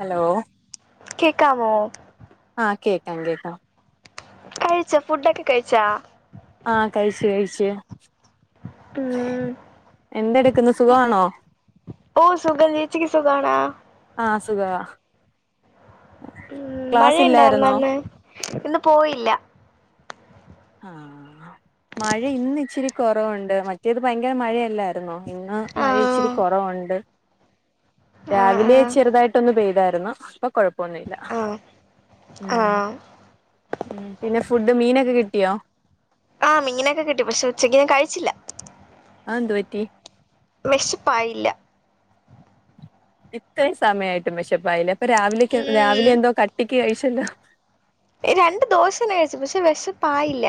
Hello കേക്കാവോ? ആ കേക്കാം കേക്കാം. കഴിച്ച ഫുഡൊക്കെ കഴിച്ചാ ആ കഴിച്ചു കഴിച്ചു ഉം എന്തെടുക്കുന്നു സുഖ? ഓ സുഖം ചേച്ചിക്ക് സുഖാണോ ആഹ് സുഖാ ഉ ഇല്ലായിരുന്നോ മഴയുണ്ടായിരുന്നന്ന് ഇന്ന് പോയില്ല ആഹ് മഴ ഇന്ന്ച്ചിരി കൊറവുണ്ട് മറ്റേത് ഭയങ്കര മഴയല്ലേ ട്ട്ന്നൊ ഇന്ന് ആ മഴ ഇച്ചിരി കൊറവോണ്ട്, ആ ആ രാവിലെ ചെറ്തായിട്ടൊന്ന് ഇതായിരുന്നു പ്പ കൊയപ്പോന്നുല്ല. ആ ആ ഉം പിന്നെ ഫുഡ് മീനൊക്കെ കിട്ടിയോ ആ മീങ്ങനൊക്കെ കിട്ടി പക്ഷെ ഉച്ചയ്ഞാൻ കഴിച്ചില്ല ആഎന്തുപറ്റി? വെഷപ്പായില്ല ഇത്രയും സമയായിട്ടും വെഷപ്പായില്ലേ അപ്പൊ രാവിലെക്ക് ഉം രാവിലെയെന്തോ കട്ടിക്ക് കഴിച്ചല്ലോ രണ്ട് ദോശെന്നെ കഴിച്ചു പക്ഷെ വെശപ്പായില്ല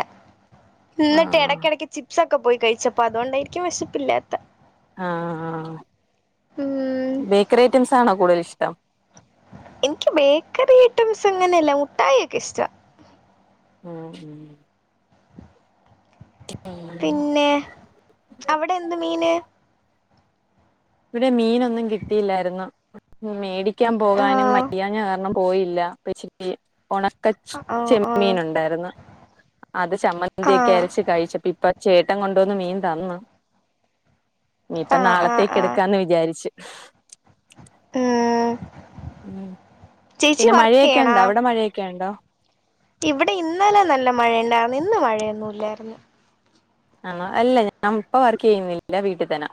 ഇന്നിട്ട് ആഹ് എടക്കെടക്ക് ചിപ്സൊക്കെ പോയി കഴിച്ചപ്പതൊണ്ടായിരിക്കും വിശപ്പില്ലാത്ത ആ ആ ഉം ബേക്കറി ഐറ്റംസാണോ കൂടുതൽ ഇഷ്ടം? എനിക്ക് ബേക്കറിഐറ്റംസങ്ങനെയല്ല മുട്ടായിയൊക്കിഷ്ടാ ഉം ഉം. [inaudible] പിന്നെ അവടെ എന്ത് മീന് ഇവിടെ മീനൊന്നും കിട്ടിയില്ലായിരുന്നു മേടിക്കാൻ പോകാനും ആഹ് വയ്യാന കാരണം പോയില്ലച്ചിക്ക് ഉണക്ക ആ ആ ചെമ്മീൻ ഉണ്ടായിരുന്നു അത് ആ ചമ്മന്തിയൊക്കരച്ച് കഴിച്ചപ്പ ഇപ്പൊ ചേട്ടം കൊണ്ടുവന്ന് മീൻ തന്നു ന്നി ഇപ്പ ആ ആ നാളത്തേക്ക് ആ എടുക്കാന്ന് വിചാ ച്ച് ഏഹ് ഉം പിന്നെ മഴേക്കെണ്ടോ അവടെ മഴേക്കെണ്ടോ? ഇവിടെ ഇന്നലെ നല്ല മഴയ ഉണ്ടായിരുന്നു ഇന്ന് മഴയൊന്നുമല്ലായിരുന്നു അല്ല ഞൻ പ്പ വർകെയ്യിന്നില്ല വീട്ടി തെന്ന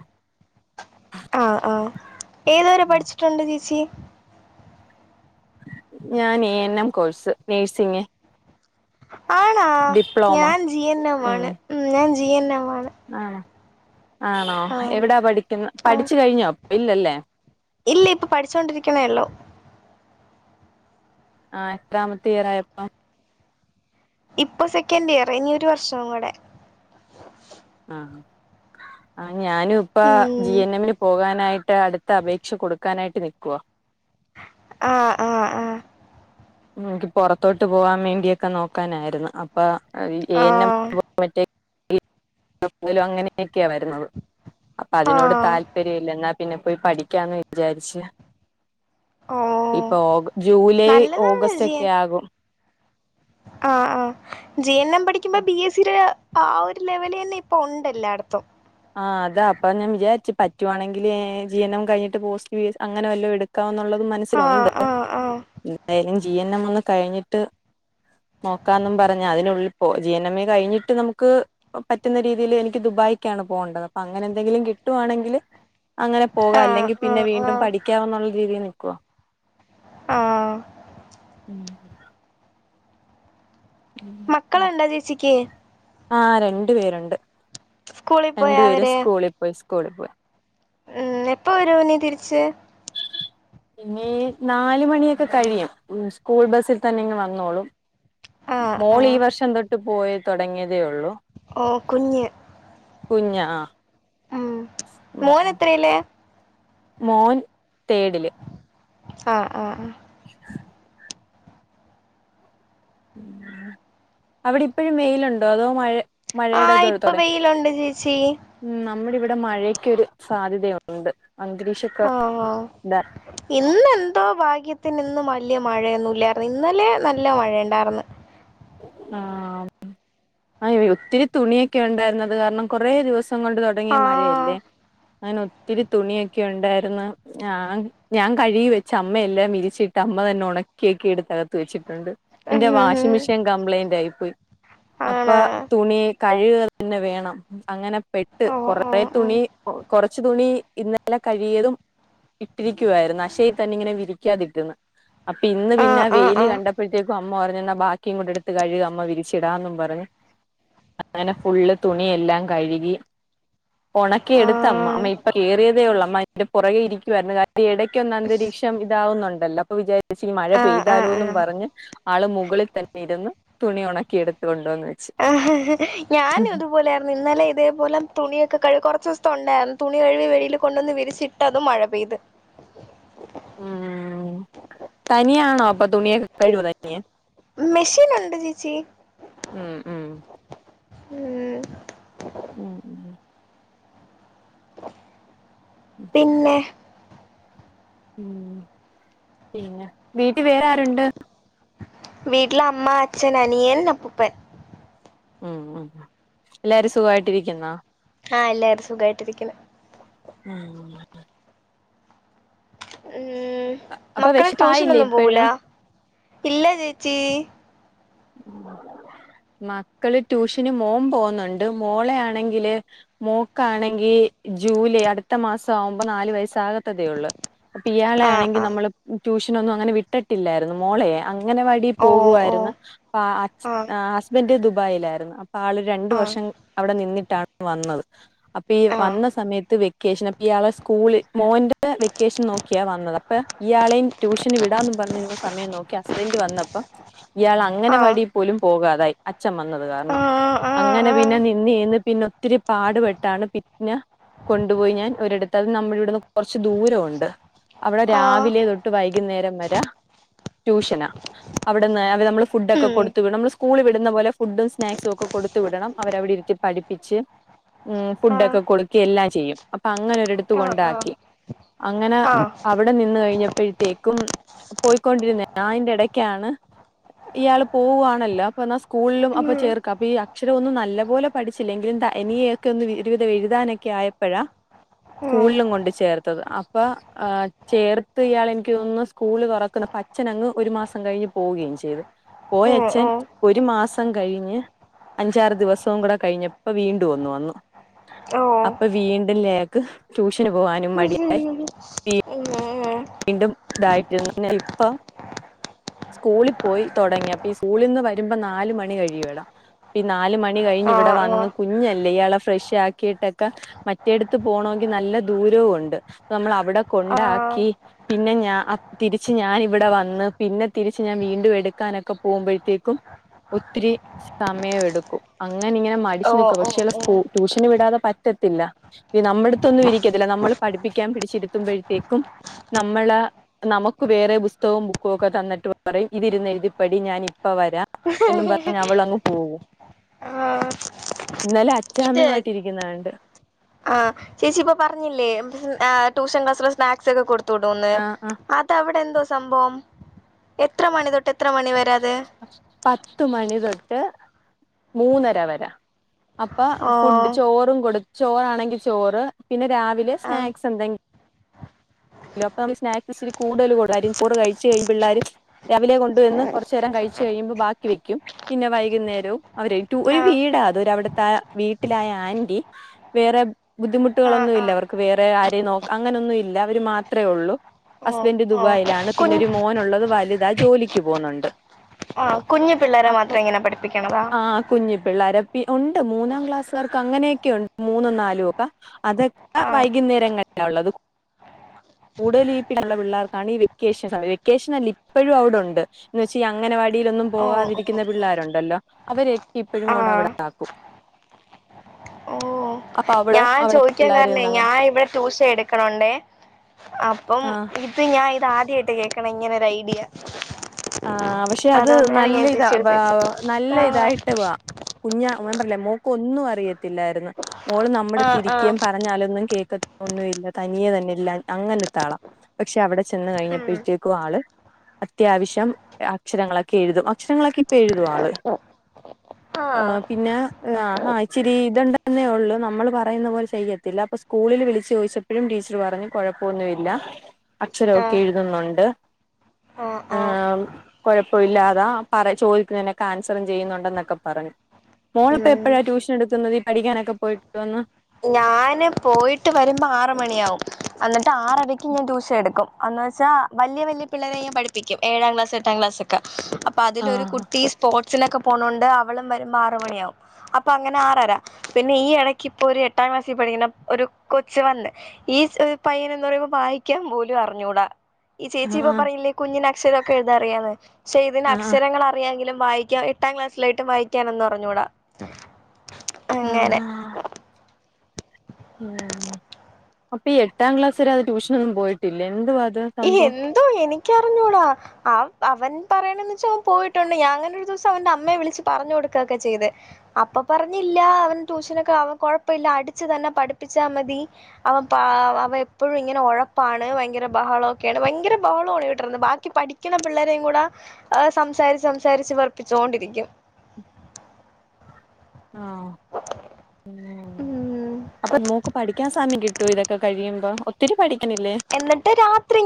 ആഹ് ആഹ്ഏതുവരെ പഠിച്ചിട്ടുണ്ട് ചേച്ചി ഞാൻ എ എൻ എം കോഴ്സ് നേഴ്സിംഗങ് ആണോ ഡിപ്ലോമ ഞാൻ ജി എൻ എം ഉം മാണ് ഉ ഞാൻ ജിഎൻഎം മാണ് ആണോ ആണോ എവിടാ പഠിക്കുന്ന ആ പഠിച്ചു കഴിഞ്ഞോ ഇല്ലല്ലേ ഇല്ല ഇപ്പൊ പഠിച്ചോണ്ടിരികുന്നോ ഒള്ളൂ ആ എത്രാമത്തെ ഇയറായപ്പോ ഇപ്പൊ സെക്കൻഡിയർ ഇനി ഒരു വർഷം കൂടെ ആ ആ ഞാനും ഇപ്പ ഉം ജി എൻ എമ്മിൽ പോകാനായിട്ട് അടുത്ത അപേക്ഷ കൊടുക്കാനായിട്ട് നിക്കുവാ ആഹ് എനിക്ക് പുറത്തോട്ട് പോവാാൻ വേണ്ടി യൊക്കെ നോക്കാനായിരുന്നു അപ്പൊെ ആ മറ്റേ അങ്ങനെയൊക്കെയ വരുന്നത് അപ്പ ആ അതിനോട് താൽ തെരിയില്ല ന്നാ പിന്നെ പോയി പഠിക്കാന്ന് വിചാര്ച് ഓ ഇപ്പൊ ഓ ജൂലൈ നല്ലതാണ് ഓഗസ്റ്റ് ജി എൻ ഒക്കെ ആകും ആ ആ ജി എൻ എം പഠിക്കുമ്പോ ബി എസ്ടെ ആ ആ ഒരു ലെവല് എന്നെ ഇപ്പോ ഉണ്ടെല്ലാടത്തും ആഹ് അതാ അപ്പ ഞാൻ വിചാരിച്ച് പറ്റുവാണെങ്കിൽ ജി എൻ എം കഴിഞ്ഞിട്ട് പോസ്റ്റ് ഫീസ് അങ്ങനെ വല്ലോ എടു ക്കാ ന്നുള്ളത് ആ മനസ്സിലുണ്ട്. ആ ആ എന്തായാലും ജീ എൻ എം ഒന്ന് കഴിഞ്ഞിട്ട് നോക്കാന്നും പറഞ്ഞ് അതിനുള്ളിപ്പോ ജീ എൻ മ്മേ കഴിഞ്ഞിട്ട് നമുക്ക് പറ്റുന്ന രീതീല് എനിക്ക് ദുബായ്ക്കാണ് പോണ്ട പ അങ്ങനെന്തെങ്കിലും കിട്ടുവാണെങ്കില് അങ്ങനെ പോക ആ ല്ലെങ്കി ആ പിന്നെ ആ വീണ്ടും പഠിക്കാ ന്നുള്ള രീതി നിക്കുവ ആഹ് ഉം ഉം മക്കള്ണ്ട ചേച്ചിക്ക്? ആ രണ്ടു പേരുണ്ട് സ്കൂളിൽ രണ്ടു പോയാ പേരും അവര് സ്കൂളി പോയ് സ്കൂളി പോയ് ഉം എപ്പവരും ഇനീ തിരിച്ച് പിന്നീ നാല് മണിയൊക്കെ കഴിയും സ്കൂൾ ബസ്സിൽ തന്നെ ഇങ് വന്നോളും ആ ആ മോളീ വർഷം തൊട്ട് പോയി തുടങ്ങിയതേ ഒള്ളു ഓ കുഞ്ഞ് കുഞ്ഞ ആഹ് ആഹ് മോനെത്രേലാ മോൻ തേടില് ആഹ് ആഹ് ആഹ് [inaudible] അവിടെ ഇപ്പഴും വേയിലുണ്ടോ അതോ മഴ മഴയുടെ ആഹ് ഇത് തൊട ഇപ്പൊ വെയിലുണ്ട് ചേച്ചി ഉം നമ്മുടെ ഇവിടെ മഴയ്ക്കൊരു സാധ്യതയൊണ്ട് ആഹ് ആഹ് ഇതാ ഇന്നെന്തോ ഭാഗ്യത്തിന് ന്ന് വല്യ മഴയൊന്നുല്ല ഇന്നലെ നല്ല മഴ ണ്ടായിർന്ന് ആ ആ ഒത്തിരി തുണിയൊക്കെ ഉണ്ടായിരുന്നത് കാരണം കൊറെ ദിവസം കൊണ്ട് തുടങ്ങിയ മഴയല്ലേ ആ അങ്ങനെ ഒത്തിരി തുണിയൊക്കെ ഉണ്ടായിരുന്നു ഞാ ഞാൻ കഴുകി വെച്ച് അമ്മയെല്ലാം വിരിച്ചിട്ട് അമ്മ തന്നെ ഉണക്കി യെക്കെ എടുത്ത ത് വെച്ചിട്ടുണ്ട്. എന്റെ ഉം വാഷിംഗ് മിഷേൻ കംപ്ലയിന്റ് ആയി പോയി. അപ്പ ആണോ തുണി കഴുക തന്നെ വേണം അങ്ങനെ പെട്ട് ഓ ഓ കൊറെ ഓ തുണി കൊറച്ച് തുണി ഇന്ന് പല കഴിയതും ഇട്ടിരിക്കുവായിരുന്നു അശയി തന്നെ ഇങ്ങനെ വിരിക്കാതിട്ടന്ന് അപ്പിന്ന് ആഹ് പിന്നെ ആഹ് വെയില് കണ്ടപ്പോഴത്തേക്കും അമ്മ പറഞ് ന്ന ബാ ക്കി എട്ടുത്ത് കഴുക അമ്മ വിരിച്ചിടാന്നും പറഞ്ഞു അങ്ങനെ ഫുള്ള് തുണിയെല്ലാ കഴുകി ഉണക്കി എടുത്തമ്മ ആഹ് അമ്മ ഇപ്പ കേറിയതേ ഉള്ളമ്മന്റെ പുറകെ ഇരിക്കുായിരുന്നു യെടയ്ക്കൊന്ന അന്തരീക്ഷ ഇതാവുന്നുണ്ടല്ലോ അപ്പൊ വിചാരിച്ച മഴ ആഹ് ആഹ് പെയ്താലോ ആഹ് ആഹ് പറഞ് ആള് മുകളിൽ തന്നെ ഇരുന്ന് തുണി ഉണക്കി എടുത്ത കൊണ്ടുവന്ന് വെച്ച് ഞാനും തുപോലെ ആരുന്നു ഇന്നലെ ഇതേ തുണിയൊക്കെ കഴ കുറച്ച് ദിവസത്തെ ഉണ്ടായിരുന്നു തുണി കഴിക വെയില് കൊണ്ടൊന്ന് വിരിച്ചിട്ടതും മഴ പെയ്ത് മ്മ് തനിയാണോ അപ്പൊ തുണിയൊക്കെ കഴുവോ തനിയെ മെഷീനുണ്ട് ചീച്ചീ ഉം ഉം മ്മ് ഉം ഉമ് പിന്നെ മ് പിന്നെ വീട്ടി വേറാരുണ്ട് വീട്ടിൽ അമ്മ അച്ഛൻ അനിയൻ അപ്പുപ്പൻ മ് മ് എല്ലാരും സുഖായിട്ടിരിക്കുന്നോ ആ എല്ലാവരും സുഖമായിട്ടിരിക്കുന്ന് ഉം ഉം അപ്പൊ മക്കളെ വിശപ്പായില്ലേ ട്യൂഷനൊന്നും പോവൂല ഇപ്പഴും ഇല്ല ചേച്ചി ഉം മക്കള് ട്യൂഷന് മോൻ പോകുന്നുണ്ട് മോളെ ആണെങ്കില് മോക്കാണെങ്കി ജൂലൈ അടുത്ത മാസാകുമ്പോ ന്നാലു വയസാകത്തത്തെയുള്ളൂ ഇയാളെ ആഹ് ആണെങ്കി ആഹ് നമ്മള് ട്യൂഷനൊന്നും അങ്ങനെ വിട്ടിട്ടില്ലായിരുന്നു മോളയെ അങ്ങനെവാടി ഓ ഓ പോവുആയിരുന്ന് ആഹ് ആ ഹസ്ബൻന്റ് ദുബായിലായിരുന്നു അപ്പൊ ആള് രണ്ടു ആഹ് വർഷം അവിടെ നിന്നിട്ടാണ് വന്നത് അപ്പൊ ഈ ആഹ് വന്ന സമയത്ത് വെക്കേഷൻ യാളെ സ്കൂള് മോന്റെ വെക്കേഷൻ നോക്കിയാ വന്നത് അപ്പ ഇയാളെയി ട്യൂഷന് വിടാന്ന് പറഞ്ഞിരുന്ന സമയം നോക്കി ഹസ്ബൻഡ് വന്നപ്പോ ഇയാൾ അങ്ങനെ ആഹ് വടി പോലും പോകാതായി അച്ചൻ വന്നത് കാരണം ആഹ് ആഹ് അങ്ങനെ പിന്നെ ആഹ് നിന്ന് ന്ന് പിന്നൊത്തിരി പാടുപെട്ടാണ് പിന്നെ കൊണ്ടുപോയി ഞാൻ ഒരിടത്ത് അത് നമ്മ്ള്ടെ ടുന്ന് കൊർച്ച് ദൂരോണ്ട്. അവിടെ ആഹ് രാവിലെ തൊട്ട് വൈകുന്നേരം വരെ ട്യൂഷനാ അവിടെന്ന് നമ്മൾ ഫുഡ്ഡക്കെ ഉം കൊടുത്ത് വിടണം നമ്മള് സ്കൂളി വിടുന്ന പോലെ ഫുഡും സ്നാക്സും ഒക്കെ കൊടുത്ത് വിടണം അവര് അവിടിരുത്തി പഠിപ്പിച്ച് മ് ആഹ് ഫുഡൊക്കെ കൊടുക്കി എല്ലാം ചെയ്യും അപ്പൊ അങ്ങനെ ഒരിടത്ത് ആഹ് ആഹ് കൊണ്ടാക്കി അങ്ങനെ ആഹ് അവി നിന്ന് കഴിഞ്ഞപ്പോഴത്തേക്കും പോയിക്കൊണ്ടിരുന്ന അയിന്റെ ടയ്ക്കാണ് ഇയാൾ പോവുആണല്ലോ. അപ്പൊ ന്ന സ്കൂള്ലും ഉം അപ്പൊ ചേർക്കാം പ്പീ അക്ഷരോന്നു നല്ല പോലെ പഠിച്ചില്ലെങ്കിലും നി ഒക്ക് ഒര് വിവിധ എഴുതാനൊക്കെ ആയപ്പോഴാ ഉം സ്കൂളിലും കൊണ്ട് ചേർത്തത് അപ്പൊ ആ ചേർത്ത് യാളെനിക്ക് തോന്നുന്നു സ്കൂള് തുറക്കുന്ന അ അച്ഛനങ്ങ് ഒരു മാസം കഴിഞ്ഞ് പോവുകയും ചെയ്ത് പോയ ഉം ച്ഛൻ ഉം ഒരു മാസം കഴിഞ്ഞ് അഞ്ചാറ് ദിവസവും കൂടെ കഴിഞ്ഞപ്പ വീണ്ടും ഒന്ന് വന്നു ഓഹ് അപ്പ വീണ്ട് ലേക്ക് ട്യൂഷന് പോവാൻ [unintelligible] വീണ്ടും ഇതായിട്ടി ഇപ്പം സ്കൂളിൽ പോയി തുടങ്ങി അപ്പൊ ഈ സ്കൂളിൽ നിന്ന് വരുമ്പോ നാലല് മണി കഴിയൂല്ലോ ഈ നാല് മണി കഴിഞ്ഞ് ഇവിടെ ആഹ് ആഹ് വന്ന് കുഞ്ഞല്ലേ ഇയാളെ ഫ്രഷ് ആക്കിയിട്ടൊക്കെ മറ്റേട്‌ത്ത് പോണോങ്കി നല്ല ദൂരോണ്ട് നമ്മൾ അവിടെ ആഹ് കൊണ്ടാക്കി പിന്നെ ഞാ തിരിച്ച് ഞാൻ ഇവിടെ വന്ന് പിന്നെ ഞാ തിരിച്ച് ഞാൻ ഇവിടെ വന്നു പിന്നെ തിരിച്ച് ഞാൻ വീണ്ടും എടുക്കാനൊക്കെ പോവുബയ്ത്തേക്കും പോകുമ്പോഴത്തേക്കും ഒത്തിരി സമയം എടുക്കും അങ്ങന ഇങ്ങനെ മടിച്ച് ഓഹ് നിക്കും പക്ഷെ ഓഹ് അവള് സ്കൂ ഓഹ് ട്യൂഷന് വിടാതെ പറ്റത്തില്ല ഇ നമ്മുടെത്തൊന്നും ഇരിക്കത്തില്ല നമ്മള് പഠിപ്പിക്കാൻ പിടിച്ചിരുത്തുമ്പോഴത്തേക്കും നമ്മളെ നമുക്ക് വേറെ പുസ്തകും ബുക്കും ഒക്കെ തന്നിട്ട് പറയും ഇതിരുന്ന് എഴുതിപ്പടി ഞാൻപ്പ വരാ എന്നും പറഞ് അവള് അങ്ങ് പോകു ആഹ് ഇന്നലെ അച്ഛാമ്മയുയിട്ട് ഇരിക്കും കിനാണ്ട് ആഹ് ചേച്ചി ഇപ്പ പറഞ്ഞില്ലേ ആ ട്യൂഷൻ ക്ലാസ്സില് സ്നാക്സൊക്കെ കൊട്ത്തൂടൂന്ന് ആ ആ ഇപ്പ അവിടെ എന്തോ സംഭവം എത്ര മണി തൊട്ട് എത്ര മണി വര അത് പത്ത് മണി തൊട്ട് മൂന്നര വരാ അപ്പൊ ഓ ഫുഡ് ചോറും കൊടു ചോറാണെങ്കി ചോറ് പിന്നെ രാവിലെ ആ സ്നാക്സ് എന്തെങ്കും [unintelligible] [unintelligible] രാവിലെ കൊണ്ട് വന്ന് കൊറ്ചേരം കഴിച്ച് കഴിയുമ്പോ ബാക്കി വെക്കും പിന്നെ വൈകുന്നേരോം അവര് ഒരു ആ വീടാത് ഒര അവിടുത്തെ വീട്ടിലായ ആന്റി വേറെ ആ ബുദ്ധിമുട്ടുകളൊന്നും ആ ഇല്ല അവർക്ക് വേറെ ആരെയ നോക്ക അങ്ങനെൊന്നും ഇല്ല അവര് മാത്ര ത്രയേ ഒള്ളൂ, ഓ ഹസ്ബൻഡ് ഓ ദുബായിലാണ്, കുഞ്ഞ് പിന്നൊരു മോനുള്ളത് വലുതാ ജോലിക്ക് പോകുന്നുണ്ട്. ആ കുഞ്ഞു പിള്ളേരെ അപ്പൊ മാത്രം ഇങ്ങനെ പഠിപ്പിക്ണതാ ആ കുഞ്ഞി പിള്ളാര്‌ പി ഉണ്ട് മൂന്നാം ക്ലാസുകർക്ക് അങ്ങനെയൊക്കെ ഉണ്ട് മൂന്നും നാലും ഒക്കെ അതൊ ആ വൈകുന്നേരങ്ങളിലാ ഉള്ളത് കൂടുതൽ [unintelligible] പിള്ളേർക്കാണ് ഈ വെക്കേഷൻ വെക്കേഷൻല്ല ഇപ്പഴും അവിടോണ്ട് എന്ന് വെച്ച് ഈ അങ്ങനവാടിലൊന്നും ഓ ഓ ഓ പോകാതിരിക്കുന്ന പിള്ളേരുണ്ടല്ലോ അവര് ഇപ്പോഴും കൊണ്ട് അവിടെ ആക്കും ഓഹ്. അപ്പൊ അവിടെ ഞാൻ അവിടെ ചോദിക്കാൻ പിള്ളേര് കാരണേ നിന്നങ്ങ് ഞാൻ ഇവിടെ ട്യൂഷൻ എടുക്കണണ്ടേ അപ്പം ആ അപ്പ ഞാൻ ഇത് ആദ്യായിട്ടാ കേൾക്ക്‌ണേ ഇങ്ങനെ ഒരു ഐഡിയ ആ പക്ഷെ അത് അതുകൊണ്ടാണ് നല്ല ഞാൻ ഇതാ ചേച്ചിയെടുത്ത് ചോദിച്ചത് നല്ല ആഹ് ഇതായിട്ട് വ കുഞാ പറ്ഞ്ഞിലെ മോക്ക് ഒന്നും അറിയത്തില്ലായിരുന്നു മോള് ആഹ് നമ്മുടെത്തിരിക്കേ ആഹ് പറ ഞാലൊന്നും കേക്ക ഒന്നും ഇല്ല തനിയെ തന്നെ ഇല്ല അങ്ങനെത്താളാ. പക്ഷെ അവിടെ ചെന്ന് ഉം കഴിഞ്ഞപ്പോഴത്തേക്കും ആള് അത്യാവശ്യ രം അക്ഷരങ്ങളൊക്കെ എഴുതും അക്ഷരങ്ങളൊക്കെ ഇപ്പൊ എഴുതും ആള് ആഹ് ആഹ് പിന്നെ ആഹ് ഇച്ചിരി ഇത്ണ്ടന്നേ ഉള്ളൂ നമ്മൾ പറയുന്ന പോലെ ചെയ്യത്തില്ല അപ്പൊ സ്കൂളിൽ വിളിച്ചു ചോദിച്ചപ്പോഴും ടീച്ചർ പറഞ്ഞു കുഴപ്പമൊന്നുമില്ല അക്ഷരമൊക്കെ ആഹ് എഴുതുന്നുണ്ട് ആഹ്, കൊഴപ്പവില്ല അതാ പറ ചോദിക്ണേന്നൊക്കെ ആൻസറും ചെയ്യുന്നുണ്ട ന്നൊക്കെ പറഞ്ഞു. മോളപ്പോ ഉം എപ്പോഴാ ട്യൂഷൻ എടുക്കുന്നത് ഈ പഠിക്കാനൊക്കെ പോയിട്ടു വന്ന് ഞാന് പോയിട്ട് വരുമ്പോ ആറ് മണിയാവും അന്നിട്ട് ആറരയ്ക്ക് ഞാൻ ട്യൂഷനെടുക്കും അന്ന വെച്ചാ വലിയ വലിയ പിള്ളേരെ ഞാൻ പഠിപ്പിക്കും ഏഴാം ക്ലാസ് എട്ടാം ക്ലാസ് ഒക്കെ അപ്പൊ അതിലൊരു ആഹ് കുട്ടി പോർട്സിനൊക്കെ പോണൊണ്ട് അവളും വരുമ്പ ആറ് മണിയാവും അപ്പൊ അങ്ങനെ ആറരാ പിന്നെ ഈ ഇടക്ക് ഇപ്പോ ഒരു എട്ടാം ക്ലാസീപടിക്കണ ഒരു കൊച്ച് വന്ന് ഈ പയ്യന് എന്ന് പറയുമ്പോ വായിക്കാൻ പോലും അറിഞ്ഞൂടാ ഈ ചേച്ചി ഇപ്പൊ ആഹ് പറഞ്ഞില്ലേ കുഞ്ഞിന് അക്ഷരമൊക്കെ എഴുതായറിയാന്ന് പക്ഷേ ഇതിന് ആഹ് അക്ഷരങ്ങൾ അറിയാെങ്കിലും വായിക്കാ ട്ടാം ക്ലാസ്സിലായിട്ടും വായിക്കാനൊന്നും അറിഞ്ഞൂടാ അങ്ങനെ. ആഹ് ഉം അപ്പൊ ഈ എട്ടാം ക്ലാസ് വരെ അത് ട്യൂഷനൊന്നും പോയിട്ടില്ലേ എന്തുവാ അത്? സംഭവം എന്തോ എനിക്കറിഞ്ഞൂടാ അവ അവൻ പറയണന്ന് വെച്ചാ അവൻ പോയിട്ടുണ്ട് ഞാനങ്ങനെ ഒരു ദിവസം അവന്റെ അമ്മയെ വിളിച്ച് പറഞ്ഞു കൊടുക്കുകയൊക്കെ ചെയ്ത് അപ്പൊ പറഞ്ഞില്ലാ അവൻ ട്യൂഷനൊക്കെ അവൻ കുഴപ്പല്ല അടിച്ചു തന്നെ പഠിപ്പിച്ചാ മതി അവൻ പാ എപ്പോഴും ഇങ്ങനെ ഉഴപ്പാണ് ഭയങ്കര ബഹളം ഒക്കെയാണ് ഭയങ്കര ബഹളമാണ് വീട്ടീന്ന് ബാക്കി പഠിക്കണ പിള്ളരേയും കൂടെ ആഹ് സംസാരിച്ച് സംസാരിച്ച് വെറ്പ്പിച്ചോണ്ടിരിക്കും ആഹ് ഉം ഉം അപ്പ മോക്ക് പഠിക്കാ സമ കിട്ട ട്ടു ഇതൊക്കെ കഴിയുമ്പോ തിരി പഠിക്കുന്നി എന്നിട്ട് രാത്രി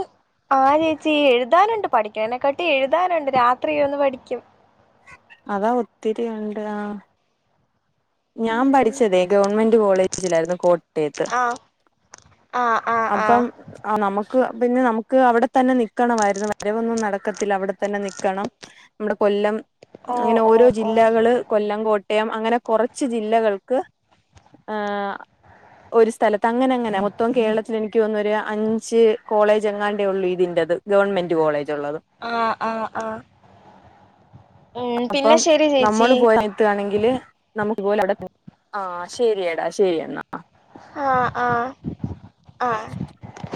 ആഹ് ചേച്ചി എഴുതാനുണ്ട് പഠിക്കണേണക്കാട്ടി എഴുതാനുണ്ട് രാത്രി ഇരുന്ന് പഠിക്കും അതാ ഒത്തിരി ഉണ്ട് ആഹ് ഞാൻ ഉം പഠിച്ചതേ ഗവൺമെന്റ് കോളേജിലായിരുന്നു കോട്ട ത്തെ ത്ത് ആഹ് ആഹ് ആഹ് ആഹ് അപ്പം. ആഹ് നമുക്ക് പിന്നെ നമുക്ക് അവിടെ തന്നെ നിക്കണമായിരുന്നു വരവൊന്നും നടക്കത്തില്ല അവിടെ തന്നെ നിക്കണം നമ്മുടെ കൊല്ലം ഓ അങ്ങനെ ഓ ഓരോ ഓ ജില്ലകള് കൊല്ലം കോട്ടയം അങ്ങനെ കൊറ കുച്ച് ജില്ലകൾക്ക് ആഹ് ഒരു സ്ഥലത്ത് അങ്ങനെങ്ങനെ മൊത്തം കേരളത്തിൽ എനിക്ക് തൊന്നുന്നൊര് അഞ്ച് കോളേജ് എങ്ങാണ്ടേ ഒള്ളൂ ഇതിന്റത് ഗവൺമെന്റ് കോളേജുള്ളത് ആഹ് ആഹ് ആഹ് ഉം പിന്നെ അപ്പം ശരി ചേച്ചി നമ്മള് പോയത്തുകയാണെങ്കില് [unintelligible] ആ ശരിയടാ ശരിയന്നാ ആഹ് ആഹ് ആഹ് [inaudible]